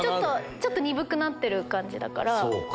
ちょっと鈍くなってる感じだから。